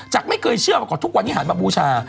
จากไม่เพื่อเชื่อกว่าถึงทุกวันนี้หาปรบูชา